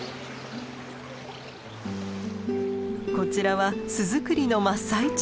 こちらは巣作りの真っ最中。